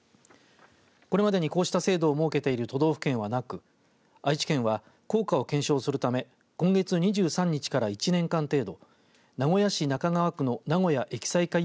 これまでにこうした制度を設けている都道府県はなく愛知県は効果を検証するため今月２３日から１年間程度